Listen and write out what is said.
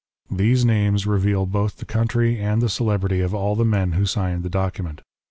These names reveal both the country and the celebrity of all the men who signed the document.